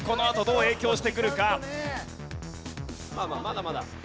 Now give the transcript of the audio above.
まあまあまだまだ。